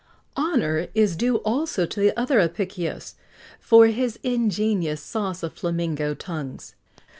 [XX 66] Honour is due also to the other Apicius for his ingenious sauce of flamingo tongues.